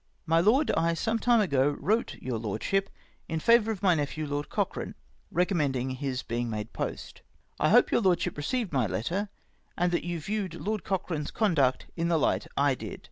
My Loed, — I some time ago wrote your Lordship in favour of my nephew Lord Cochrane, recommending his being made post. " I hope your Lordship received my letter, and that you viewed Lord Cochrane's conduct in the light I did.